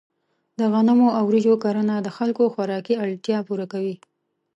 د غنمو او وریجو کرنه د خلکو خوراکي اړتیا پوره کوي.